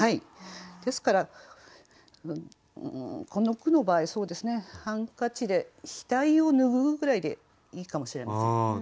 ですからこの句の場合「ハンカチで額を拭う」ぐらいでいいかもしれません。